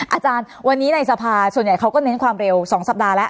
อาจารย์วันนี้ในสภาส่วนใหญ่เขาก็เน้นความเร็ว๒สัปดาห์แล้ว